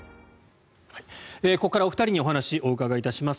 ここからは、お二人にお話をお伺いいたします。